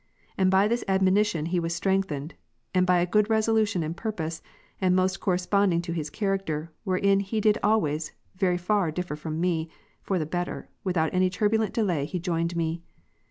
And by this admonition was he strengthened; and by a good resolution and purpose, and most corresponding to his character, wherein he did always very far differ from me, for the better, without any turbulent delay he joined me.